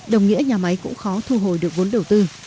đồng nghĩa nhà máy cũng khó thu hồi được vốn đầu tư